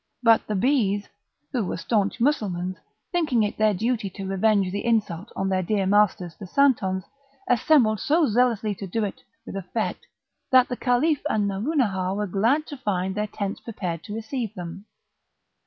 But the bees, who were staunch Mussulmans, thinking it their duty to revenge the insult on their dear masters the Santons, assembled so zealously to do it with effect, that the Caliph and Nouronihar were glad to find their tents prepared to receive them.